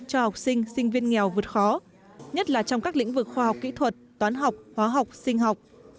cho học sinh sinh viên nghèo vượt khó nhất là trong các lĩnh vực khoa học kỹ thuật toán học hóa học sinh học